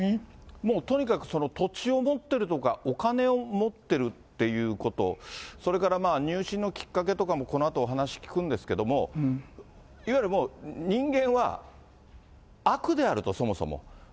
もうとにかく、土地を持ってるとか、お金を持ってるっていうこと、それから入信のきっかけとかもこのあとお話聞くんですけれども、いわゆるもう、人間は悪であると、そもそも。